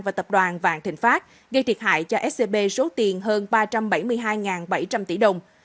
và tập đoàn vạn thịnh pháp gây thiệt hại cho scb số tiền hơn ba trăm bảy mươi hai bảy trăm linh tỷ đồng